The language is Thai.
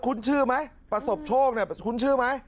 คุ้นชื่อไหมประสบโชคคุ้นชื่อไหม